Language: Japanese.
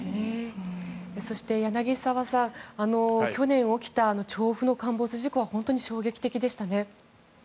そして柳澤さん去年起きた調布の陥没事故は本当に衝撃的でしたね。